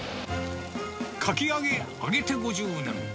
かき揚げ揚げて５０年。